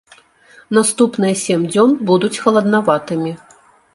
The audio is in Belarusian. Наступныя сем дзён будуць халаднаватымі.